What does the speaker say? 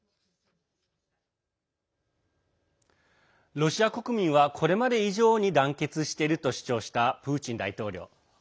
ロシア国民はこれまで以上に団結していると主張したプーチン大統領。